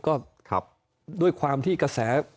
ก็ด้วยความที่กระแส